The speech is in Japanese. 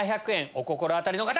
お心当たりの方！